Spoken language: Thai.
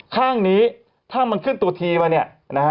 ข้างนี้ถ้ามันขึ้นตัวทีมาเนี่ยนะฮะ